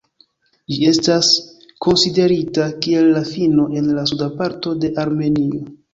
Ĝi estas konsiderita kiel la fino en la suda parto de Armenio.